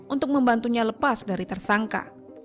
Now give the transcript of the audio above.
untuk membantunya lepas dari tersangka